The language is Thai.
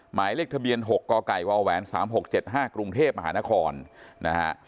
หมายเลขทะเบียน๖กไก่วาวแหวน๓๖๗๕กรุงเทพฯอาหารคอน